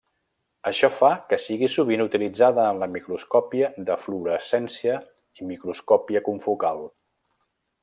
Això fa que sigui sovint utilitzada en la microscòpia de fluorescència i microscòpia confocal.